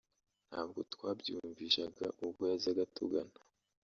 ntabwo twabyiyumvishaga ubwo yazaga atugana